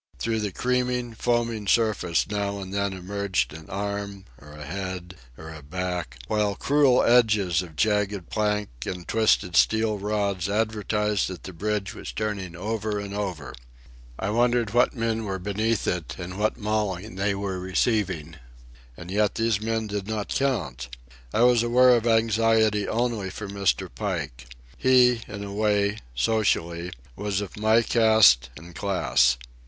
Through the creaming, foaming surface now and then emerged an arm, or a head, or a back, while cruel edges of jagged plank and twisted steel rods advertised that the bridge was turning over and over. I wondered what men were beneath it and what mauling they were receiving. And yet these men did not count. I was aware of anxiety only for Mr. Pike. He, in a way, socially, was of my caste and class.